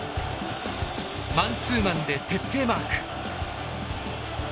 マンツーマンで徹底マーク。